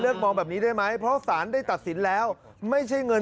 มองแบบนี้ได้ไหมเพราะสารได้ตัดสินแล้วไม่ใช่เงิน